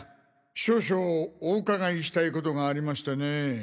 少々お伺いしたいことがありましてね。